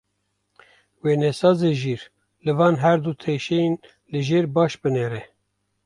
Wênesazê jîr, li van her du teşeyên li jêr baş binêre.